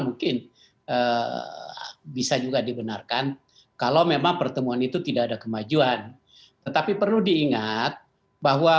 mungkin bisa juga dibenarkan kalau memang pertemuan itu tidak ada kemajuan tetapi perlu diingat bahwa